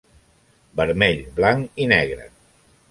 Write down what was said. Vermell, blanc i negre.